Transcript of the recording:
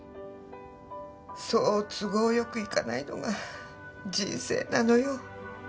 そう都合良くいかないのが人生なのよ。